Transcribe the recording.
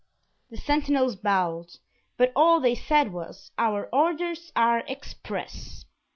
The sentinels bowed, but all they said was, "Our orders are express."